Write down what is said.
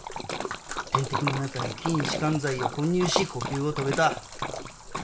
点滴の中に筋弛緩剤を混入し呼吸を止めた。